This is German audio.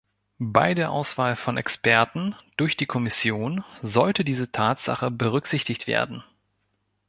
Bei der Auswahl von Experten durch die Kommission sollte diese Tatsache berücksichtigt werden.